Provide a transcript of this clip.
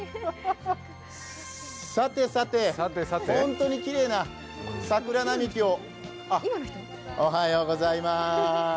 さてさて、本当にきれいな桜並木をあっ、おはようございまーす。